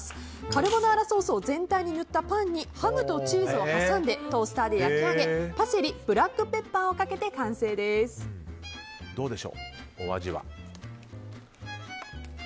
カルボナーラソースを全体に塗ったパンにハムとチーズを挟んでトースターで焼き上げ、パセリブラックペッパーをかけてどうでしょう、お味は。